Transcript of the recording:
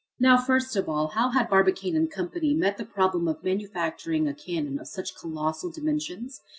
Now, first of all, how had Barbicane & Co. met the problem of manufacturing a cannon of such colossal dimensions?